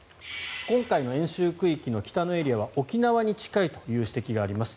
今回の演習空域の北のエリアは沖縄に近いという指摘があります。